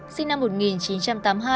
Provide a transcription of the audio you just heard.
sinh năm một nghìn chín trăm tám mươi hai